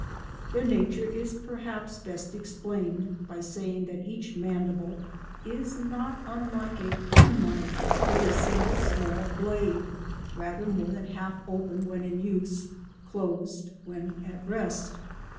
Their nature is perhaps best explained by saying that each mandible is not unlike a penknife with a single small blade, rather more than half open when in use, closed when at rest.